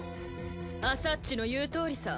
アサっちの言うとおりさ。